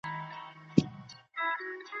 ایا کوچني پلورونکي چارمغز اخلي؟